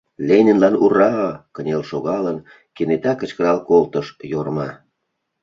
— Ленинлан — ура! — кынел шогалын, кенета кычкырал колтыш Йорма.